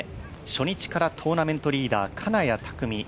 初日からトーナメントリーダー金谷拓実。